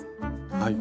はい。